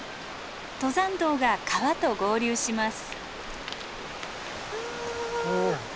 登山道が川と合流します。